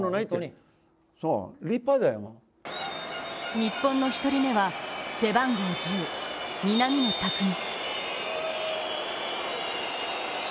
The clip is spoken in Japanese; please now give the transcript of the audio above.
日本の１人目は、背番号１０・南野拓実。